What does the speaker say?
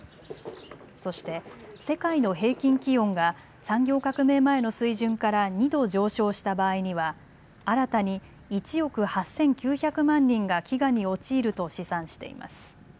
そして世界の平均気温が産業革命前の水準から２度上昇した場合には新たに１億８９００万人が飢餓に陥ると試算しています。